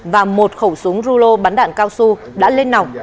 và một khẩu súng rulo bắn đạn cao su đã lên nỏng